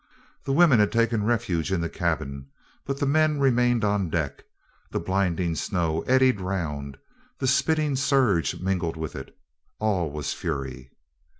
The women had taken refuge in the cabin, but the men remained on deck; the blinding snow eddied round, the spitting surge mingled with it. All was fury.